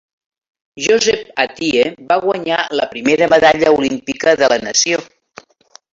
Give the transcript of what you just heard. Joseph Atiyeh va guanyar la primera medalla olímpica de la nació.